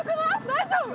大丈夫？